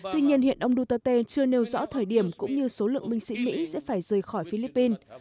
tuy nhiên hiện ông duterte chưa nêu rõ thời điểm cũng như số lượng binh sĩ mỹ sẽ phải rời khỏi philippines